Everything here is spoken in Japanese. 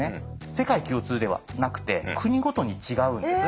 世界共通ではなくて国ごとに違うんです。